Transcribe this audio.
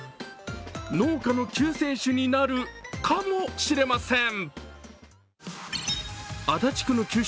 農家の救世主になるカモしれません。